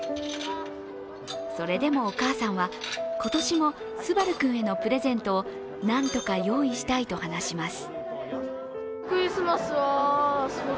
それでもお母さんは今年も昴君へのプレゼントをなんとか用意したいと話します。